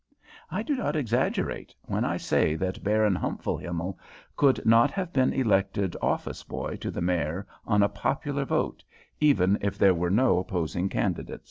I do not exaggerate when I say that Baron Humpfelhimmel could not have been elected office boy to the Mayor on a popular vote, even if there were no opposing candidate.